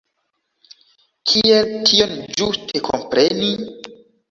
Kiel tion ĝuste kompreni?